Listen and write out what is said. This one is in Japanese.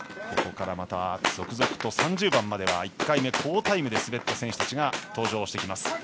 ここから続々と３０番までは１回目好タイムで滑った選手たち登場します。